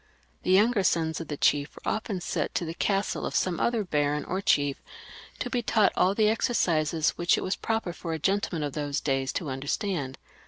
The younger sons of the chief were often sent to the castle of some other baron or chief to be taught all the exercises which it was proper for a gentleman of those days to understand.